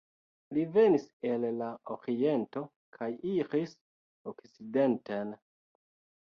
Li venis el la oriento kaj iris okcidenten.